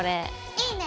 いいね！